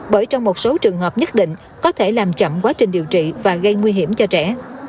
bởi trong một số trường hợp nhất định có thể làm chậm quá trình điều trị và gây nguy hiểm cho trẻ